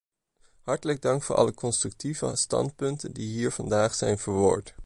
Hartelijk dank voor alle constructieve standpunten die hier vandaag zijn verwoord.